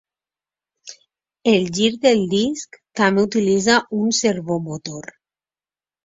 El gir del disc també utilitza un servomotor.